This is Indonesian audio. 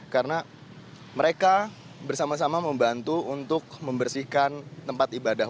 karena mereka bersama sama membantu untuk membersihkan tempat ibadah